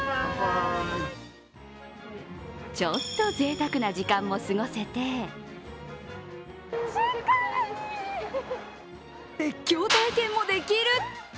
ちょっとぜいたくな時間も過ごせて絶叫体験もできる！